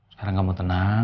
sekarang kamu tenang